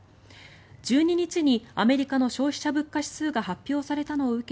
１２日にアメリカの消費者物価指数が発表されたのを受け